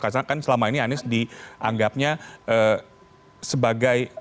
karena kan selama ini anies dianggapnya sebagai